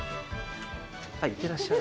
いってらっしゃい。